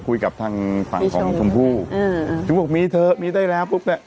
คุยกับทางฝั่งของชมพู่อืมถึงบอกมีเถอะมีได้แล้วปุ๊บเนี้ย